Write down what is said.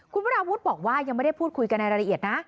คุณวราวุฒิบอกว่ายังไม่ได้พูดคุยกันในรายละเอียดนะ